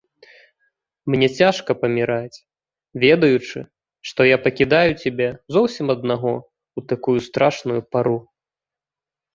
Мне цяжка паміраць, ведаючы, што я пакідаю цябе зусім аднаго ў такую страшную пару.